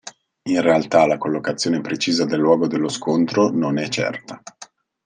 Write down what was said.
In realtà la collocazione precisa del luogo dello scontro non è certa.